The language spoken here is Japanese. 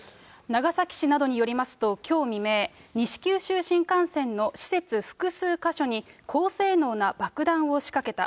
長崎市などによりますと、きょう未明、西九州新幹線の施設複数箇所に高性能な爆弾を仕掛けた。